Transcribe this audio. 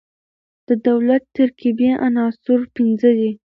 د دولت ترکيبي عناصر پنځه دي.